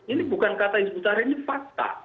ini bukan kata isbuta harim ini fakta